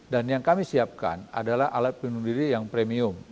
dan yang kami siapkan adalah alat penyelidikan yang premium